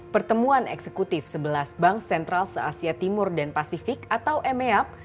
pertemuan eksekutif sebelas bank sentral se asia timur dan pasifik atau meap